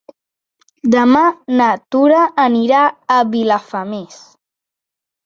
Demà na Tura anirà a Vilafamés.